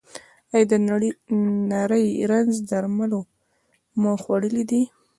ایا د نري رنځ درمل مو خوړلي دي؟